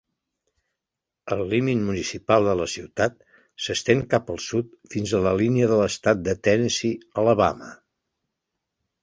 El límit municipal de la ciutat s'estén cap al sud fins a la línia d'estat de Tennessee-Alabama.